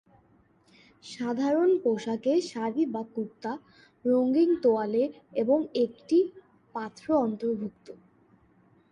সাধারণ পোশাকে শাড়ি বা কুর্তা, রঙিন তোয়ালে এবং একটি পাত্র অন্তর্ভুক্ত।